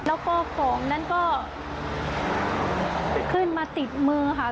แล้วก็ของนั้นก็ขึ้นมาติดมือค่ะ